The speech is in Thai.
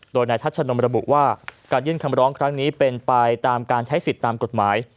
โดยนายทัชนมระบุว่าการยื่นคำร้องครั้งนี้เป็นไปตามการใช้สิทธิ์ตามกฎหมาย